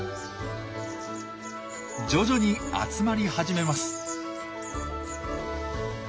徐々に集まり始めます。